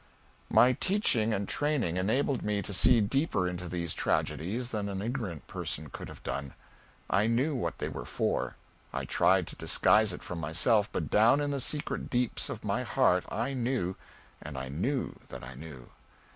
My teaching and training enabled me to see deeper into these tragedies than an ignorant person could have done. I knew what they were for. I tried to disguise it from myself, but down in the secret deeps of my heart I knew and I knew that I knew.